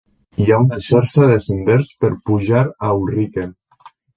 Hi ha una xarxa de senders per pujar a Ulriken.